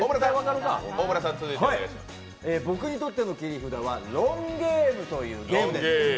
僕にとっての切り札はロンゲームというものです。